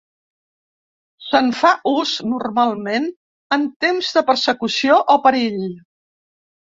Se'n fa ús, normalment, en temps de persecució o perill.